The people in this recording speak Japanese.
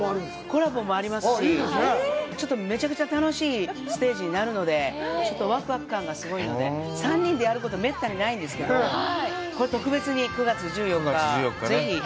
コラボもありますし、ちょっとめちゃくちゃ楽しいステージになるので、ワクワク感がすごいので、３人でやることめったにないんですけど、これ、特別に９月１４日、ぜひ。